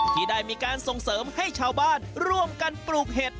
ที่ได้มีการส่งเสริมให้ชาวบ้านร่วมกันปลูกเห็ด